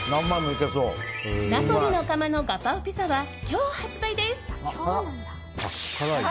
ナポリの窯のガパオピザは今日発売です。